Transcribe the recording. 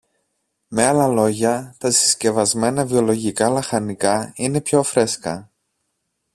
Με άλλα λόγια, τα συσκευασμένα βιολογικά λαχανικά είναι πιο φρέσκα